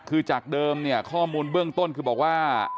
คือจากเดิมเนี่ยข้อมูลเบื้องต้นคือบอกว่า